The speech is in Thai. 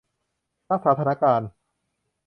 รักษาสถานการณ์